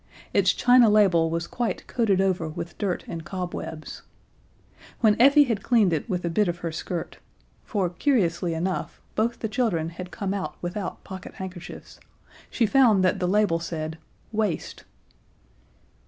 Its china label was quite coated over with dirt and cobwebs. When Effie had cleaned it with a bit of her skirt for curiously enough both the children had come out without pocket handkerchiefs she found that the label said "Waste."